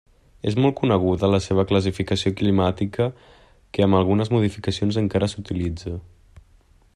És molt coneguda la seva classificació climàtica que amb algunes modificacions encara s'utilitza.